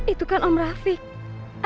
itu kan om rafiq